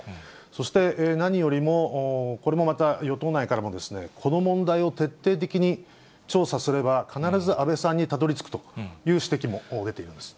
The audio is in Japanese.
そして、何よりも、これもまた与党内からも、この問題を徹底的に調査すれば、必ず安倍さんにたどりつくという指摘も出ているんです。